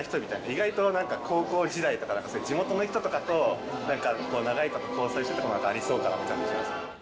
意外となんか、高校時代とか、地元の人とかとなんか、長いこと交際してたとかありそうだなと感じます。